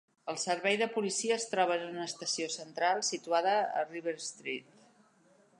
El servei de policia es troba en una estació central situada a River Street.